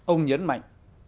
ông nhấn mạnh